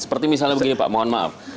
seperti misalnya begini pak mohon maaf